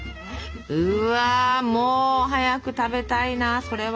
うわも早く食べたいなそれは。